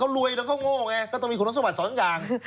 รวยแล้วก็โง่ไงก็ต้องมีคุณสมบัติสองอย่าง